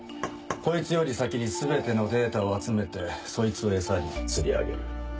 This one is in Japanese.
こいつより先に全てのデータを集めてそいつをエサに釣り上げる。